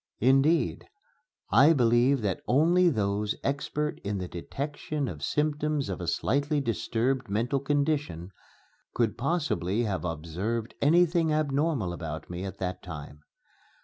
Indeed, I believe that only those expert in the detection of symptoms of a slightly disturbed mental condition could possibly have observed anything abnormal about me at that time.